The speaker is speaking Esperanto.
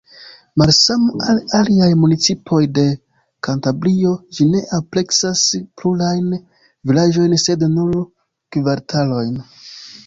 Malsame al aliaj municipoj de Kantabrio, ĝi ne ampleksas plurajn vilaĝojn sed nur kvartalojn.